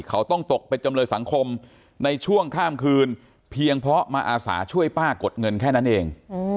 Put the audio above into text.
เขาต้องตกเป็นจำเลยสังคมในช่วงข้ามคืนเพียงเพราะมาอาสาช่วยป้ากดเงินแค่นั้นเอง